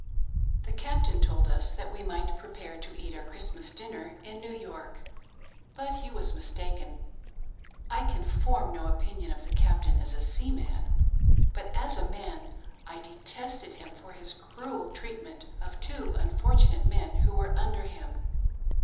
The Captain told us that we mig'ht prepare to eat our Christmas dinner in New York ; but he was mistaken. I can form no opinion of the captain as a seaman, but as a man I detested him for his cruel treatment of two unfortunate men who were under him.